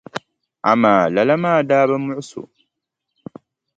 Amaa lala maa daa bi muɣisi o.